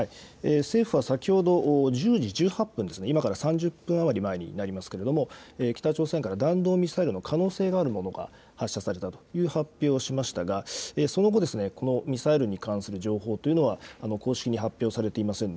政府は先ほど１０時１８分、３０分余り前になりますけれども北朝鮮から弾道ミサイルの可能性があるものが発射されたという発表をしましたがその後このミサイルに関する情報というのは公式に発表されていません。